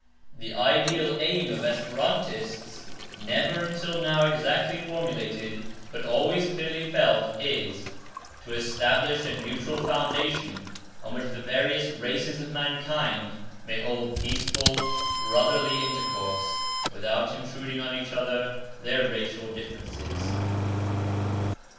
The ideal aim of Esperantists, never until now exactly formulated, but always clearly felt, is: To establish a neutral foundation, on which the various races of mankind may hold peaceful, brotherly intercourse, without intruding on each other their racial differences."